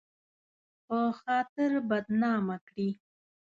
په خاطر بدنامه کړي